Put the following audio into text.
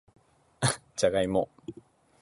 じゃがいも